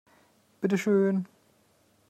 Bitte schön!